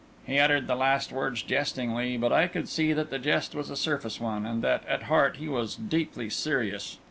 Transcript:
He uttered the last words jestingly, but I could see that the jest was a surface one, and that, at heart, he was deeply serious.